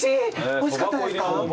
おいしかったですか？